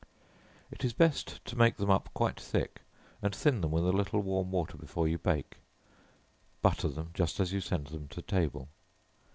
It is best to make them up quite thick, and thin them with a little warm water before you bake; butter them just as you send them to table.